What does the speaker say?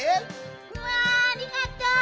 うわありがとう。